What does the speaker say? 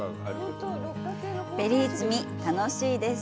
ベリー摘み、楽しいです。